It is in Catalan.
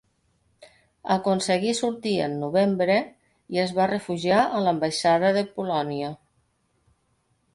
Aconseguí sortir en novembre i es va refugiar a l'ambaixada de Polònia.